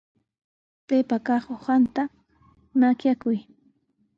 Paypaq kaq uqanta makaykuy.